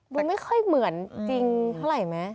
ไม่ค่อยเหมือนจริงเท่าไหร่ไหม